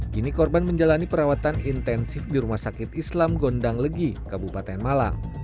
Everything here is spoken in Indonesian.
kini korban menjalani perawatan intensif di rumah sakit islam gondang legi kabupaten malang